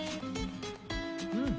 うん。